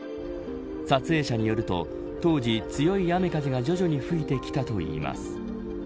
撮影者によると当時強い雨風が徐々に吹いてきたといいます。